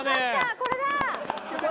これだ。